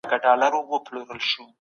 وزیران به خلګو ته ازادي ورکړي.